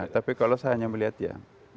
tapi kalau saya hanya melihat ya